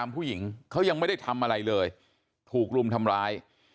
ผู้หญิงยังไม่ได้ทำอะไรเลยหลบทำร้าย